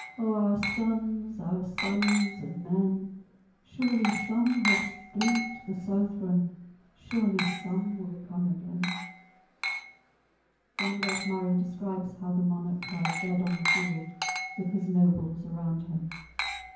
O our sons, our sons and men! Surely some have 'scaped the Southron, Surely some will come again!" Randolph Murray describes how the monarch lies dead on the field with his nobles round him.